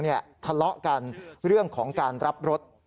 ทะเลาะกันเรื่องของการรับรถ